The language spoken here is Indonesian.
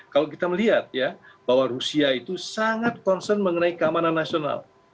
kalau kita melihat ya bahwa rusia itu sangat concern mengenai keamanan nasional